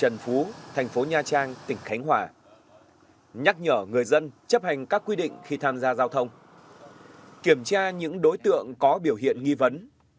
nhắc nhở người dân chấp hành các quy định khi tham gia giao thông kiểm tra những đối tượng có biểu hiện nghi vấn